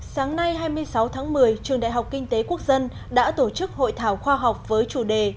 sáng nay hai mươi sáu tháng một mươi trường đại học kinh tế quốc dân đã tổ chức hội thảo khoa học với chủ đề